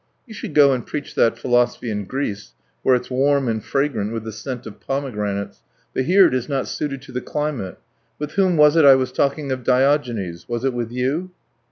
"You should go and preach that philosophy in Greece, where it's warm and fragrant with the scent of pomegranates, but here it is not suited to the climate. With whom was it I was talking of Diogenes? Was it with you?"